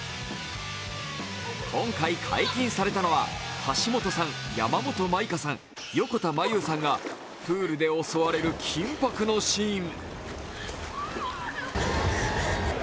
今回、解禁されたのは橋本さん、山本舞香さん横田真悠さんがプールで襲われる緊迫のシーン。